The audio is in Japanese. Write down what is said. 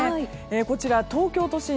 こちら、東京都心